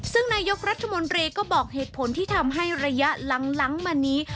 ซึ่งนายกรัฐมนตรีก็บอกเหตุผลที่ทำให้ระยะหลังมานี้